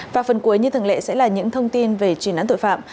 và phần cuối như thường lệ sẽ là những thông tin về truy nãn tội phạm